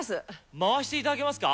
回していただけますか？